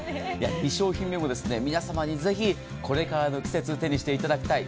２商品目も皆さまにぜひこれからの季節手にしていただきたい